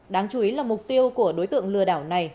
đáng chú ý là mục tiêu của đối tượng lừa đảo này